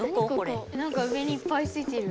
なんか上にいっぱいついてる。